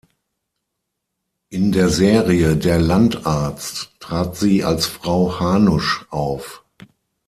In der Serie Der Landarzt trat sie als Frau Hanusch auf.